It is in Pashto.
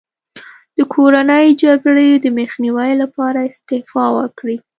د کورنۍ جګړې د مخنیوي لپاره استعفا وکړي.